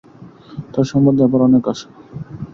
তার সম্বন্ধে আমার অনেক আশা।